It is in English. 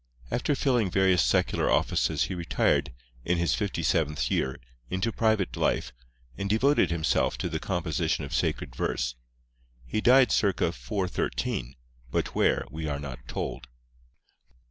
After filling various secular offices he retired, in his fifty seventh year, into private life, and devoted himself to the composition of sacred verse. He died circa 413, but where we are not told.